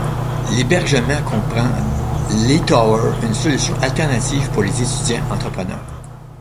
L'hébergement comprend l'E-Tower, Une solution alternative pour les étudiants entrepreneurs.